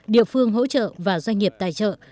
địa phương hỗ trợ và doanh nghiệp tài trợ